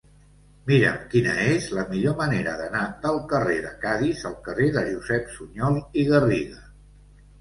Mira'm quina és la millor manera d'anar del carrer de Cadis al carrer de Josep Sunyol i Garriga.